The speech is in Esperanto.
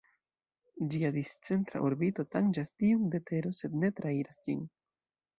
Ĝia discentra orbito tanĝas tiun de Tero sed ne trairas ĝin.